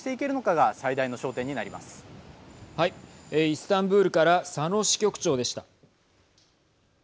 イスタンブールから佐野支局長でした。